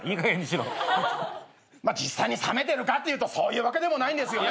まあ実際に冷めてるかというとそういうわけでもないんですよね。